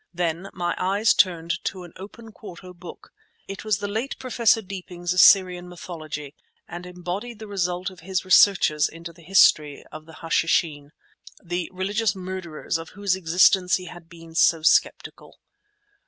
Then my eyes turned to an open quarto book. It was the late Professor Deeping's "Assyrian Mythology," and embodied the result of his researches into the history of the Hashishin, the religious murderers of whose existence he had been so skeptical.